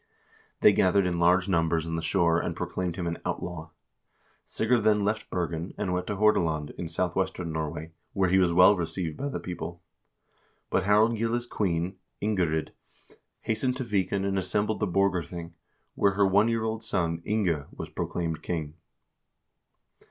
They gathered in large numbers on the shore and proclaimed him an outlaw. Sigurd then left Bergen and went to Hordaland, in southwestern Norway, where he was well received by the people. But Harald Gille's queen, Ingerid, hastened to Viken and assembled the Borgarthing, where her one year old son, Inge, was proclaimed king.